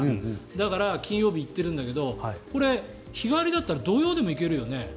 だから金曜日に行ってるんだけど日帰りだったら土曜日でも行けるよね。